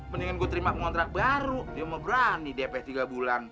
mendingan gue terima ngontrak baru dia mau berani dp tiga bulan